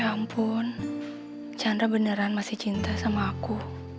ya ampun chandra beneran masih cinta sama aku